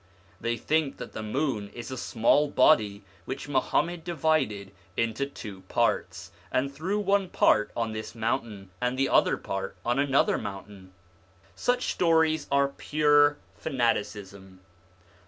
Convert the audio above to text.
ON THE INFLUENCE OF THE PROPHETS 27 they think that the moon is a small body which Muhammad divided into two parts, and threw one part on this mountain, and the other part on another mountain. Such stories are pure fanaticism.